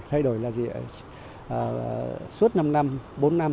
thay đổi là gì suốt năm năm bốn năm